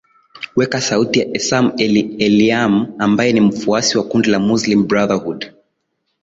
weka sauti ya esam elieliam ambae ni mfuasi wa kundi la muslim brotherhood